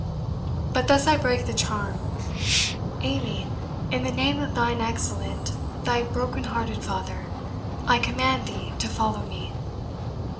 But thus I break the charm Amy, in the name of thine excellent, thy broken hearted father, I command thee to follow me!"